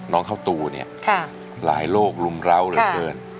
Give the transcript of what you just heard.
เข้าตูเนี่ยหลายโรครุมร้าวเหลือเกิน